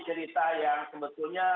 cerita yang sebetulnya